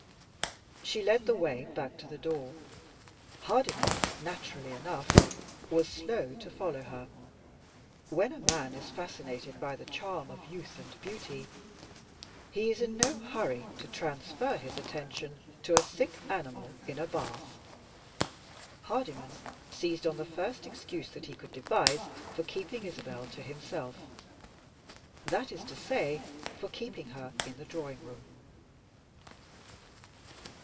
She led the way back to the door. Hardyman, naturally enough, was slow to follow her. When a man is fascinated by the charm of youth and beauty, he is in no hurry to transfer his attention to a sick animal in a bath. Hardyman seized on the first excuse that he could devise for keeping Isabel to himself that is to say, for keeping her in the drawing room.